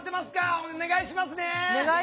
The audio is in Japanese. お願いします！